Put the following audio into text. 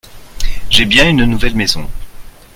j'ai bien une nouvelle maison.